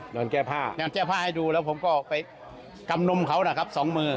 นอนแก้ผ้านอนแก้ผ้าให้ดูแล้วผมก็ไปกำนมเขานะครับสองมือ